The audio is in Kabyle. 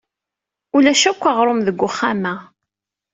Ulac akk aɣrum deg uxxam-a.